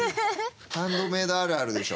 ハンドメイドあるあるでしょ。